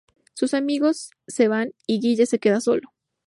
Sus amigos se van y Guille se queda solo.